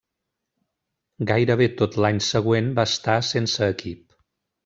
Gairebé tot l'any següent va estar sense equip.